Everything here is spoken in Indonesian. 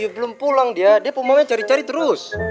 belum pulang dia dia pomonya cari cari terus